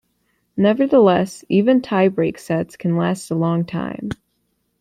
Nevertheless, even tie-break sets can last a long time.